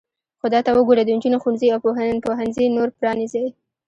خدای ته وګورئ د نجونو ښوونځي او پوهنځي نور پرانیزئ.